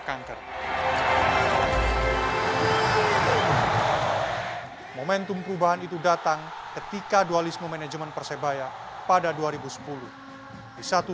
kanker momentum perubahan itu datang ketika dualisme manajemen persebaya pada dua ribu sepuluh di satu